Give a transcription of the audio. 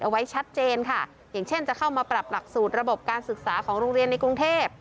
ไว้ชัดเจนค่ะอย่างเช่นจะเข้ามาปรับหลักสูตรระบบการศึกษาของโรงเรียนในกรุงเทพ